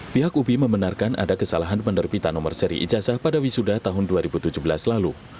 pihak ubi membenarkan ada kesalahan penerbitan nomor seri ijazah pada wisuda tahun dua ribu tujuh belas lalu